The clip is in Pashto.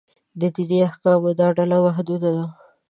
د دیني احکامو دا ډله محدود ده.